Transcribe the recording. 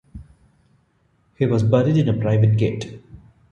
He was buried in a private grave.